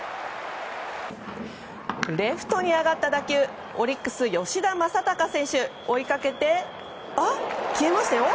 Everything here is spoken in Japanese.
レフトに上がった打球オリックス、吉田正尚選手追いかけてあ、消えましたよ。